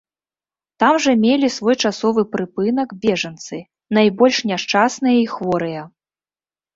Там жа мелі свой часовы прыпынак бежанцы, найбольш няшчасныя і хворыя.